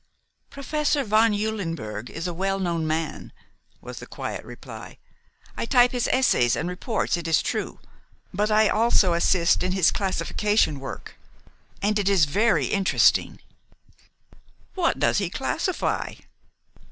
"Professor von Eulenberg is a well known man," was the quiet reply. "I type his essays and reports, it is true; but I also assist in his classification work, and it is very interesting." "What does he classify?"